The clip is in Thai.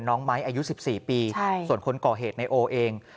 น้องไม้อายุ๑๔ปีส่วนคนก่อเหตุในโอเอง